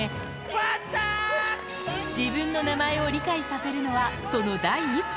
自分の名前を理解させるのは、その第一歩。